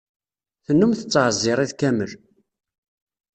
Tennum tettɛeẓẓir iḍ kamel.